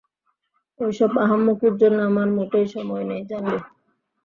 ঐসব আহাম্মকির জন্য আমার মোটেই সময় নেই, জানবে।